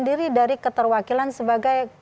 diri dari keterwakilan sebagai